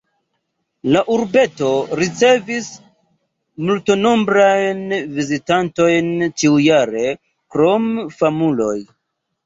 La urbeto ricevis multnombrajn vizitantojn ĉiujare krom famuloj.